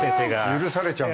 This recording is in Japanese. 許されちゃうんだ。